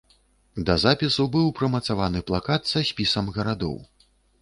Да запісу быў прымацаваны плакат са спісам гарадоў.